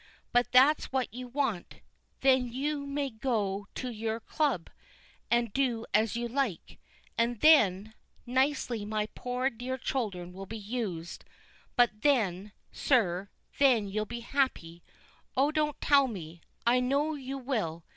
But that's what you want then you may go to your club, and do as you like and then, nicely my poor dear children will be used but then, sir, then you'll be happy. Oh, don't tell me! I know you will.